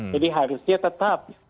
jadi harusnya tetap